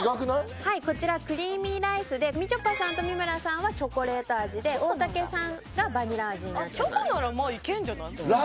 はいこちらクリーミーライスでみちょぱさんと三村さんはチョコレート味で大竹さんがバニラ味になってます